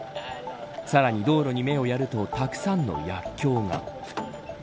さらに道路に目をやるとたくさんの薬きょうが。